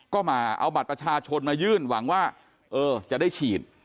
ก็มาเอาบัตรประชาชนมายื่นหวังว่าเออจะได้ฉีด